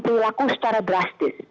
dilakukan secara drastis